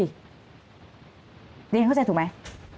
นี่อย่างงั้นเข้าใจถูกไหม